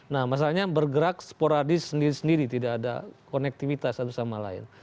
nah masalahnya bergerak sporadis sendiri sendiri tidak ada konektivitas satu sama lain